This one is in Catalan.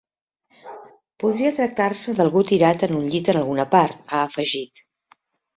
Podria tractar-se d’algú tirat en un llit en alguna part, ha afegit.